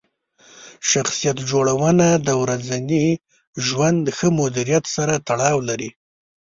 شخصیت جوړونه د ورځني ژوند ښه مدیریت سره تړاو لري.